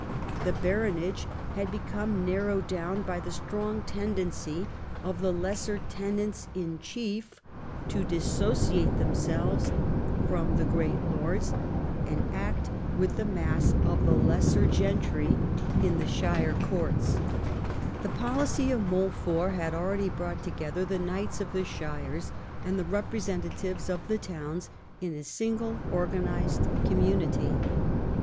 The baronage had become narrowed down by the strong tendency of the lesser tenants in chief to dissociate themselves from the great lords, and act with the mass of the lesser gentry in the viii EDWARD AND THE THREE ESTATES 137 shire courts. The policy of Montfort had already brought together the knights of the shires and the representatives of the towns in a single organised community.